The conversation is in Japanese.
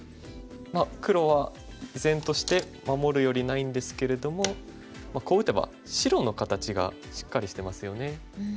まあ黒は依然として守るよりないんですけれどもこう打てば白の形がしっかりしてますよね。